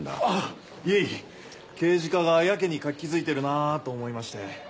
あっいえ刑事課がやけに活気づいてるなぁと思いまして。